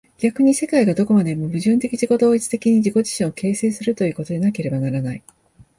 逆に世界がどこまでも矛盾的自己同一的に自己自身を形成するということでなければならない。